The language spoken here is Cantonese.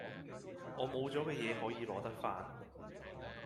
我冇咗嘅嘢可以攞得返